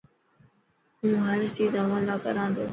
هون هر چيز اونلان ڪران تو.